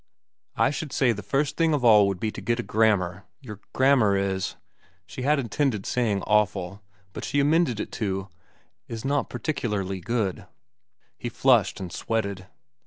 "I should say the first thing of all would be to get a grammar. Your grammar is—" She had intended saying "awful," but she amended it to "is not particularly good." He flushed and sweated.